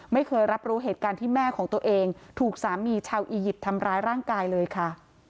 ไม่เคยรับรู้เหตุการณ์ที่แม่ของตัวเองถูกสามีชาวอียิปต์ทำร้ายร่างกายเลยค่ะ